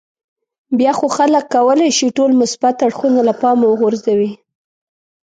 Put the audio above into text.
بیا خو خلک کولای شي ټول مثبت اړخونه له پامه وغورځوي.